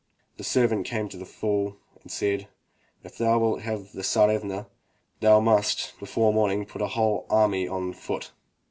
The servant came to the fool and said: "If thou wilt have the Tsarevna, thou must, before morning, put a whole army on foot."